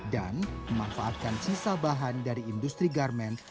memanfaatkan sisa bahan dari industri garmen